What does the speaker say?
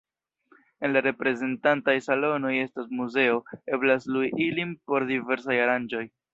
En la reprezentantaj salonoj estas muzeo; eblas lui ilin por diversaj aranĝoj.